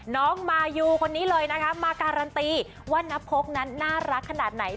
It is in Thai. น้องมายูคนนี้เลยนะคะมาการันตีว่านพกนั้นน่ารักขนาดไหน